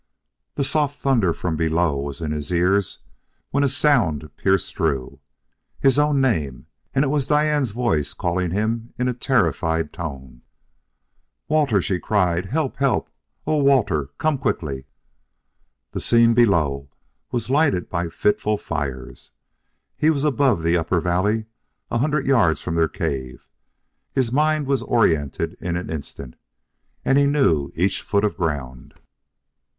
The soft thunder from below was in his ears when a sound pierced through. His own name! And it was Diane's voice calling him in a terrified tone. "Walter!" she cried. "Help! Help! Oh, Walter, come quickly!" The scene below was lighted by fitful fires. He was above the upper valley, a hundred yards from their cave: his mind was oriented in an instant, and he knew each foot of ground.